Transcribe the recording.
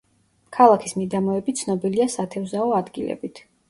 ქალაქის მიდამოები ცნობილია სათევზაო ადგილებით.